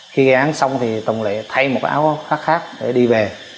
khi ghi gán xong thì tùng lại thay một áo khóa khác để đi về